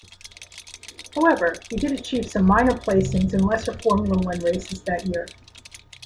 However, he did achieve some minor placings in lesser Formula One races that year.